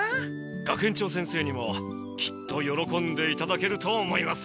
学園長先生にもきっとよろこんでいただけると思います。